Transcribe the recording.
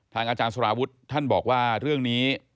อาจารย์สลาวุฒิท่านบอกว่าเรื่องนี้